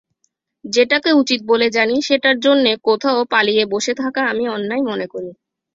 যেটাকে উচিত বলে জানি সেটার জন্যে কোথাও পালিয়ে বসে থাকা আমি অন্যায় মনে করি।